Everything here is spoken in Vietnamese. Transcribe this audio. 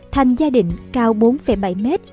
thành gia định cao bốn bảy m